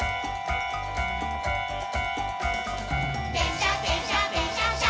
「でんしゃでんしゃでんしゃっしゃ」